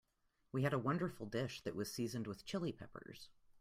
We had a wonderful dish that was seasoned with Chili Peppers.